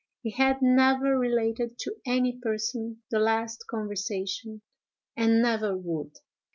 He had never related to any person the last conversation, and never would.